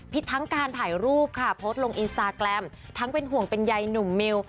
ทั้งการถ่ายรูปค่ะโพสต์ลงอินสตาแกรมทั้งเป็นห่วงเป็นใยหนุ่มมิว